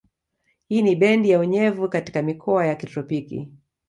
Hii ni bendi ya unyevu katika mikoa ya kitropiki